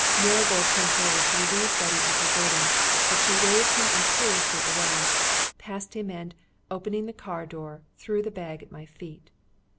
Marigold came forward to relieve Betty of her burden, but she waved him imperiously away, passed him and, opening the car door, threw the bag at my feet.